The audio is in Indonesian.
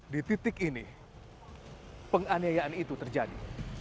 di titik ini penganiayaan itu terjadi